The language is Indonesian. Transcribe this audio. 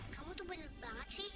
kamu tuh banyak banget sih